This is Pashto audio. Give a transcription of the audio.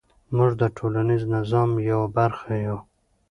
موږ د ټولنیز نظام یوه برخه یو.